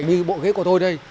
như bộ ghế của tôi đây